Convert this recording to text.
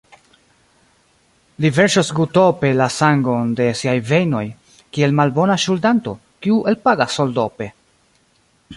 Li verŝos gutope la sangon de siaj vejnoj, kiel malbona ŝuldanto, kiu elpagas soldope.